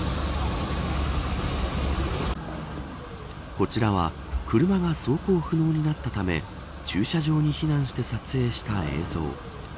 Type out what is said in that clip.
こちらは、車が走行不能になったため駐車場に避難して撮影した映像。